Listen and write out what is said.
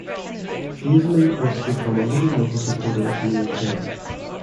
Daisley was to become a leading local supporter of Neil Kinnock.